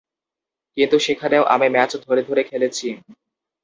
কিন্তু সেখানেও আমি ম্যাচ ধরে ধরে খেলেছি।